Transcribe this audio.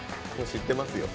知ってますよね。